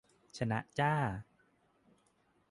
ชนะจร้า